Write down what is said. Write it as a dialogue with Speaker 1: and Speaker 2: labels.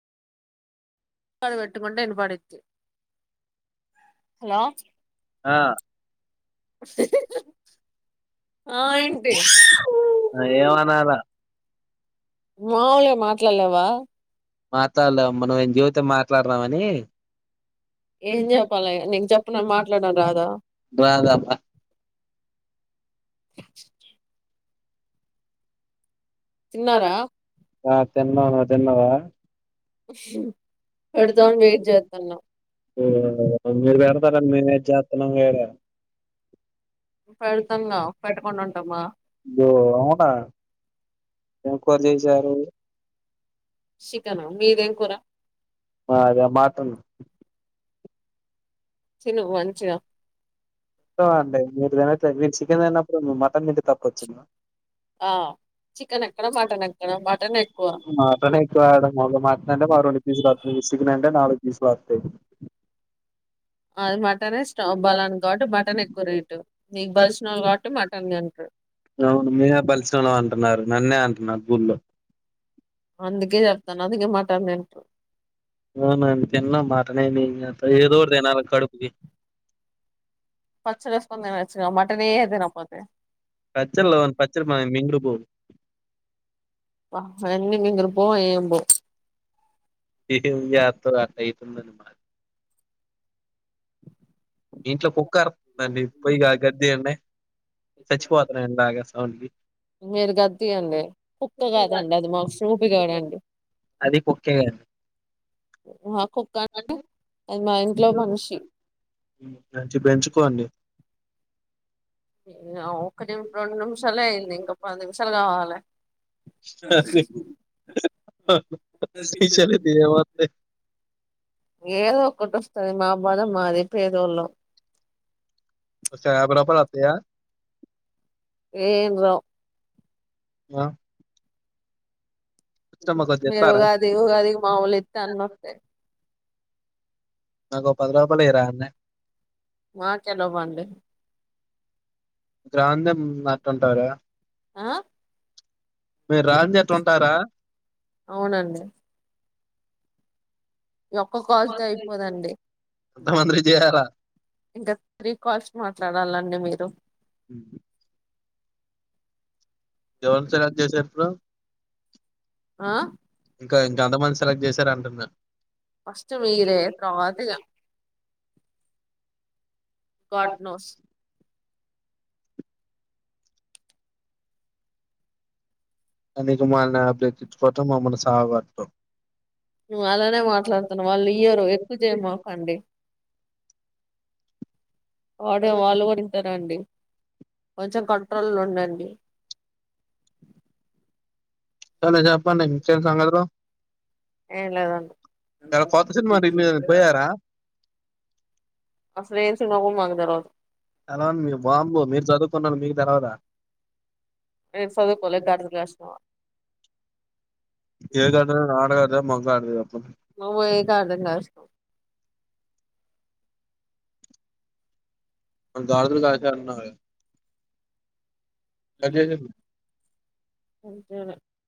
Speaker 1: పాడు వెట్టుకుంటే విన్పడ్డుది హలో
Speaker 2: ఆ ఏమనాల
Speaker 1: మాముల్గ మాట్లాడ్లెవా
Speaker 2: మాట్లాడలేం మన ఏం జీవితం మాట్లాడుదామని రాధమ్మ
Speaker 1: అ
Speaker 2: తిన్నరా ఆ తిన్నాం నువ్ తిన్నావా
Speaker 1: అ
Speaker 2: అర్దం వెట్ చేత్తంది అ మీరు వేరత మీజత్తన వేర యో అవునా ఎం కూర్ చేసారు చికెన్ మిదెం కూర మాదా మటన్
Speaker 1: చిను వంచిగా
Speaker 2: తో అంటే మీరు తనట్లేదు మీరు చికెన్ అయినప్పుడు మటన్ తింటే తప్పొచ్చిందా
Speaker 1: ఆ
Speaker 2: మాతోనే ఎక్కువ ఆడం మగ్ మాట్నంటే బారుడి తీసిక్తే చికెనంటే నాలుగు పీసులు అత్తాయ్
Speaker 1: అద్ మాటనే స్టవ్ బాలన్క్ కాబట్టి మటన్ ఎక్కువ రేటు నీక! ! ! ! ! ! ! ! ! ! ! కాబట్టి మటన్ ఎక్కువ తీన్ట్ర
Speaker 2: అవును మీరే! ! ! ! ! ! ! ! ! ! అంటున్నారు నన్నే అంటున్నారు ఊళ్లో అవ్నండి తీన్న మాటనే ఏంచేతం ఏదోట్ తినాల కడుపుకి
Speaker 1: పచ్చడేస్కోన్ తినొచ్చుగా మటనే తినపోతే
Speaker 2: పచ్చడ్లోన్ పచ్చడ్ మన్ మింగుడ్పో
Speaker 1: ఫైన్ని మింగుడు పోవ్ ఎం బోవ్
Speaker 2: ఇటీన్ జాతున్న ఇటిన్ ఇంట్లో కుక్క అరుతుందండి పొయిగా గద్దెయండి సచ్చిపోతన్నాను దాగె సౌండ్ని
Speaker 1: మీరు గత్తియండి కుక్క కాదండి అది మాక్ ఫ్రూటీగడండి
Speaker 2: అది కుక్కేగా
Speaker 1: మహ్ కుక్క అంటే అది మా ఇంట్లో మనుషి య ఉ ఒక్కటే రోండ్ నిమిషాలే అయింది ఇంక పది నిమిషాలు కావాలే
Speaker 2: షిచలే తేవాత్తే
Speaker 1: ఏదో ఒకటోస్తాద్ మా బాద మాది పేదోళ్ళం
Speaker 2: ఒసా యాబై రూపల్ అత్య
Speaker 1: ఏం రావ్
Speaker 2: మ
Speaker 1: మీరు ఉగాది ఉగాది మాముూల్ ఇత్త అన్నట్టే
Speaker 2: నాకో పది రూపాలియరాన్నే
Speaker 1: మార్కెట్లో బందే
Speaker 2: గ్రాందం నటుంటరా
Speaker 1: ఆహ్
Speaker 2: మీర్ రంజె అట్టుంటారా
Speaker 1: ఇ ఒక్క కాల్తో అయిపోదండి ఇంకా త్రీ కాల్స్ మా ట్లాడాలండి మీరు
Speaker 2: ఉహు ఎవరి సదు చేసారిప్పుడు
Speaker 1: ఆ
Speaker 2: ఇంకా ఇంక అంత మంది సెలెక్ట్ చేశార అంటున్నా
Speaker 1: ఫస్ట్ మీరే తర్వాతగా కట్నుస్
Speaker 2: అనేకమల్ని అభివతిించుకోవటం మమ్మని సావకొడతావ్
Speaker 1: అలానే మాట్లాడుతున్నా వాళ్ళు ఇయ్యరు ఎక్కువ చేయ మాకండి వాడే వాళ్ళు కూడా ఇంటారా అండి కొంచెం కంట్రోల్ లో ఉండండి
Speaker 2: సరే చెప్పండి ఇంకేం సంగతులు
Speaker 1: ఏం లేదా
Speaker 2: ఈడ కొత్త సినిమా రిలీజ్ అయింది పోయారా అలా మీరు బాంబు మీరు చదు కున్నాను మీకు తర్వాత
Speaker 1: ఏ చదువుకోలే గాడుదులు కాస్తావా
Speaker 2: ఏ కా ఆడ గాడిద మగ గాడుద అడు
Speaker 1: వామో ఏంటో అర్థం కాలే
Speaker 2: మరి గాడుదులు కాసినారు అన్నారు కదా అట్లేలేదు
Speaker 1: అంతేలే